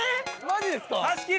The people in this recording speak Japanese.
マジっすか？